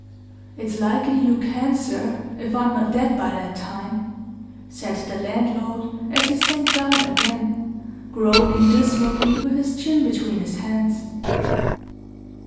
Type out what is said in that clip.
"It's likely you can, sir, if I'm not dead by that time," said the landlord, as he sank down again, groaning dismally, with his chin between his hands.